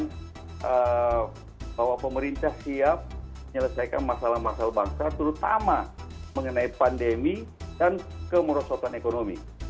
bahwa pemerintah siap menyelesaikan masalah masalah bangsa terutama mengenai pandemi dan kemerosotan ekonomi